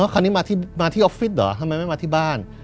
คราวนี้มาที่ออฟฟิศเหรอทำไมไม่มาที่บ้าน